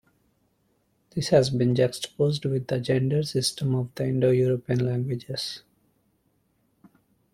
This has been juxtaposed with the gender system of the Indo-European languages.